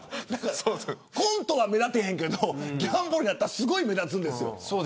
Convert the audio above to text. コントは目立ってへんけどギャンブルやったらすごい目立つんです。